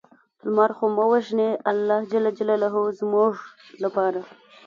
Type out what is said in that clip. لمر خو مه وژنې الله ج زموږ لپاره